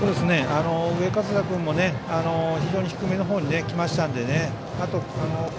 上加世田君も非常に低めの方にきましたので。